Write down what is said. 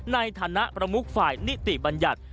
ในธนประมุขฝ่ายนิติบรรยัต